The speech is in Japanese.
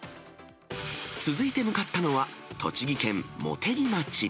続いて向かったのは、栃木県茂木町。